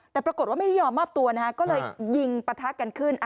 แต่ปรากฏว่าไม่ได้ยอมมอบตัวนะฮะก็เลยยิงปะทะกันขึ้น